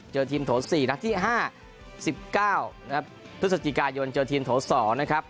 เจอทีมโถ๔นัดที่๕๑๙นะครับพฤศจิกายนเจอทีมโถ๒นะครับ